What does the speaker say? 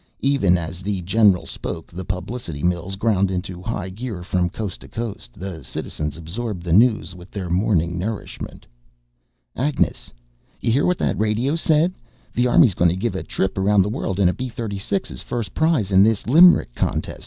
Even as the general spoke the publicity mills ground into high gear. From coast to coast the citizens absorbed the news with their morning nourishment. "... Agnes, you hear what the radio said! The Army's gonna give a trip around the world in a B 36 as first prize in this limerick contest.